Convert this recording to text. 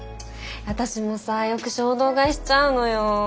私もさよく衝動買いしちゃうのよ。